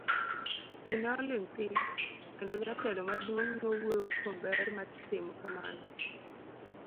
Ji ne oling' thi, kendo jatelo maduong' nowuoyo kuom ber mar timo kamano.